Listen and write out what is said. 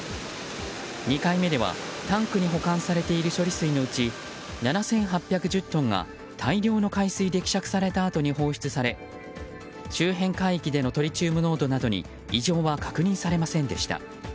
２回目ではタンクに保管されている処理水のうち７８１０トンが、大量の海水で希釈されたあとに放出され周辺海域でのトリチウム濃度などに異常は確認されませんでした。